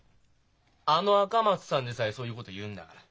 あの赤松さんでさえそういうこと言うんだから。